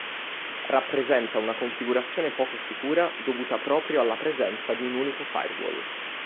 Rappresenta una configurazione poco sicura dovuta proprio alla presenza di un unico firewall.